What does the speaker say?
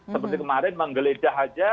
seperti kemarin menggeledah saja